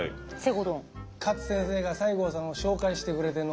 勝先生が西郷さんを紹介してくれての。